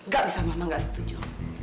gak usah mama gak setuju